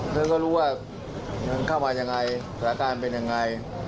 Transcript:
มันก็รู้ว่าเข้ามาอย่างไรสถาการณ์เป็นอย่างไร